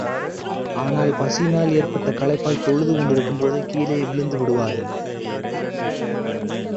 ஆனால் பசியினால் ஏற்பட்ட களைப்பால் தொழுது கொண்டிருக்கும் போதே, கீழே விழுந்து விடுவார்கள்.